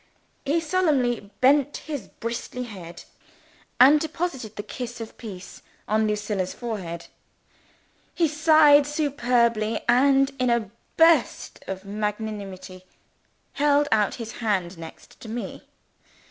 He solemnly bent his bristly head, and deposited the kiss of peace on Lucilla's forehead. He sighed superbly, and in a burst of magnanimity, held out his hand next to me.